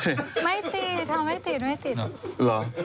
ไม่ติดค่ะไม่ติด